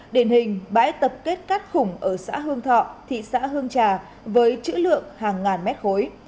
điển hình bãi tập kết cát khủng ở xã hương thọ thị xã hương trà với chữ lượng hàng ngàn mét khối